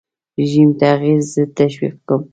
رژیم تغییر زه تشویق کړم.